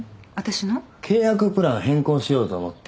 契約プラン変更しようと思って。